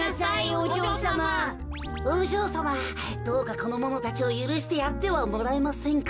おじょうさまどうかこのものたちをゆるしてやってはもらえませんか？